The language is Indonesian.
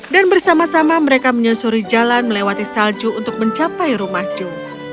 dan bersama sama mereka menyusuri jalan melewati salju untuk mencapai rumah joe